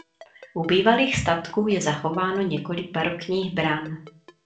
U bývalých statků je zachováno několik barokních bran.